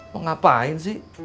mau ngapain sih